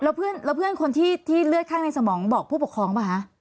แล้วเพื่อนคนที่เลือดข้างในสมองบอกผู้ปกครองป่ะคะ